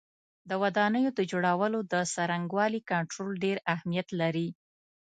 د ودانیو د جوړولو د څرنګوالي کنټرول ډېر اهمیت لري.